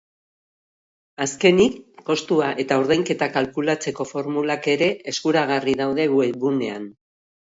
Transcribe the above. Azkenik, kostua eta ordainketa kalkulatzeko formulak ere eskuragarri daude webgunean.